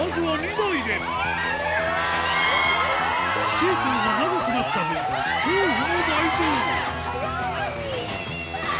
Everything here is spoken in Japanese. シーソーが長くなった分恐怖も倍増あぁ！